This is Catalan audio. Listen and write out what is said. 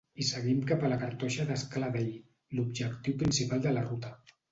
I seguim cap a la Cartoixa d'Escaladei, l'objectiu principal de la ruta.